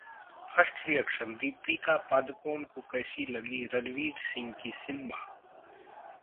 First Reaction: Deepika Padukone को कैसी लगी रणवीर सिंह की Simmba